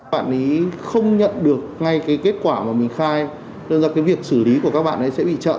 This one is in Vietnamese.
bạn ấy không nhận được ngay cái kết quả mà mình khai nên là cái việc xử lý của các bạn ấy sẽ bị trợ